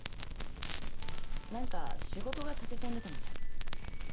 何か仕事が立て込んでたみたい。